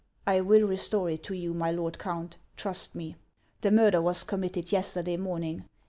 " I will restore it to you, my lord Count ; trust me. The murder was committed yesterday morning.